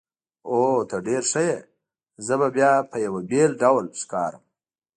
اوه، ته ډېر ښه یې، زه به بیا په یوه بېل ډول ښکارم.